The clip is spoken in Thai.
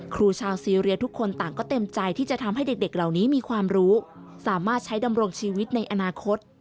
ครูชาวซีเรียทุกคนต่างก็เต็มใจที่จะทำให้เด็กเหล่านี้มีความรู้สามารถใช้ดำรงชีวิตในอนาคต